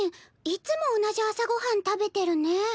いつも同じ朝ご飯食べてるね。